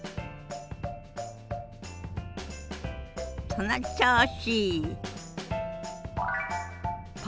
その調子。